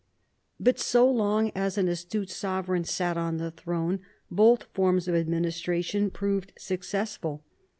But so long as an astute sovereign sat on the throne, both forms of administration proved successful.